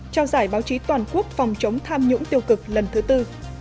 trao giải báo chí toàn quốc phòng chống tham nhũng tiêu cực lần thứ tư